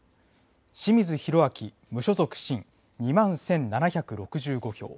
清水宏晃、無所属、新２万１７６５票。